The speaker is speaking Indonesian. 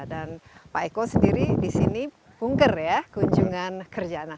dan pak eko sendiri di sini pungker ya kunjungan kerja